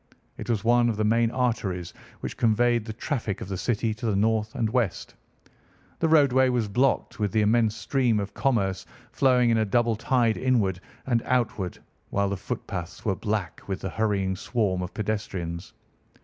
It was one of the main arteries which conveyed the traffic of the City to the north and west. The roadway was blocked with the immense stream of commerce flowing in a double tide inward and outward, while the footpaths were black with the hurrying swarm of pedestrians.